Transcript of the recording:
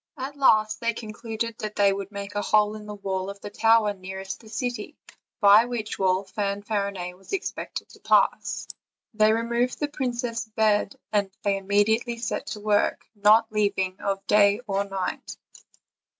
At last they concluded that they would make a hole in the wall of the tower nearest the city, by which wall Fanfarinet was expected to pass. They removed the princess' bed, and they all immediately set to work, not leaving off day or night.